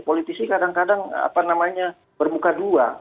politisi kadang kadang apa namanya bermuka dua